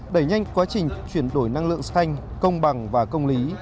đẩy nhanh quá trình chuyển đổi năng lượng xanh công bằng và công lý